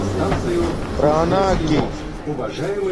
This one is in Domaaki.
پُراناکی